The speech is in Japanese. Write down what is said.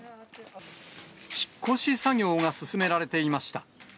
引っ越し作業が進められていました。